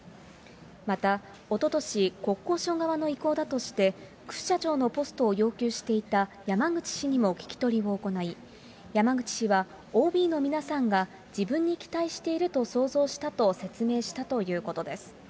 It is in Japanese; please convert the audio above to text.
また、おととし、国交省側の意向だとして、副社長のポストを要求していた山口氏にも聞き取りを行い、山口氏は、ＯＢの皆さんが自分に期待していると想像したと説明したということです。